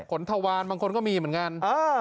ขนทวารบางคนก็มีเหมือนกัน